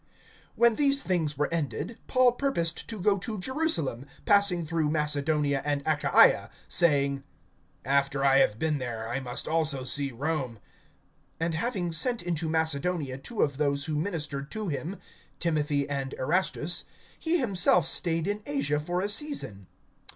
(21)When these things were ended, Paul purposed to go to Jerusalem, passing through Macedonia and Achaia; saying: After I have been there, I must also see Rome. (22)And having sent into Macedonia two of those who ministered to him, Timothy and Erastus, he himself stayed in Asia for a season.